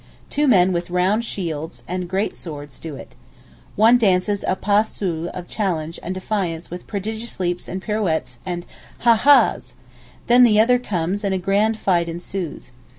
Two men with round shields and great straight swords do it. One dances a pas seul of challenge and defiance with prodigious leaps and pirouettes and Hah! Hahs! Then the other comes and a grand fight ensues.